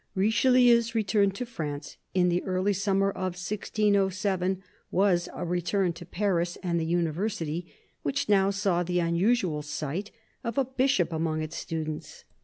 Richelieu's return to France, in the early summer of 1607, was a return to Paris and the University, which now saw the unusual sight of a bishop among its students.